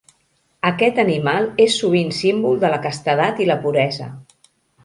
Aquest animal és sovint símbol de la castedat i la puresa.